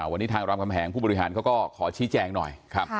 วันนี้ทางรามคำแหงผู้บริหารเขาก็ขอชี้แจงหน่อย